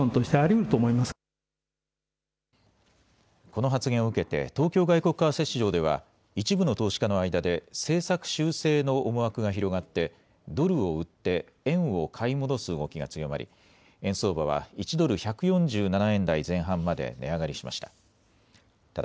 この発言を受けて東京外国為替市場では一部の投資家の間で政策修正の思惑が広がって、ドルを売って円を買い戻す動きが強まり円相場は１ドル１４７円台前半まで値上がりしました。